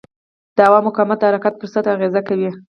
د هوا مقاومت د حرکت پر سرعت اغېز کوي.